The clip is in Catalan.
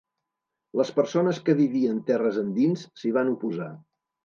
Les persones que vivien terres endins s'hi van oposar.